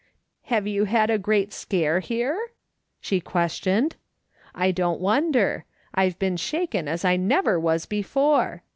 " Have you had a great scare here ?" she ques tioned, " I don't wonder ; I've been shaken as I never was before.